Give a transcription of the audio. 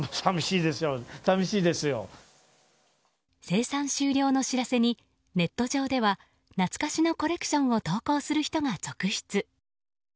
生産終了の知らせにネット上では懐かしのコレクションを投稿する人が続出。